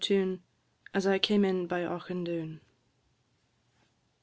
TUNE _"As I came in by Auchindoun."